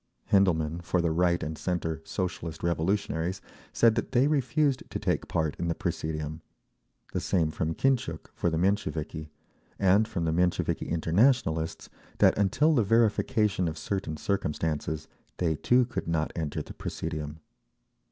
Hendelmann, for the right and centre Socialist Revolutionaries, said that they refused to take part in the presidium; the same from Kintchuk, for the Mensheviki; and from the Mensheviki Internationalists, that until the verification of certain circumstances, they too could not enter the presidium.